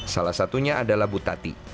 salah satunya adalah butati